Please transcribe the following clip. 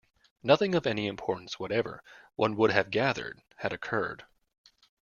Nothing of any importance whatever, one would have gathered, had occurred.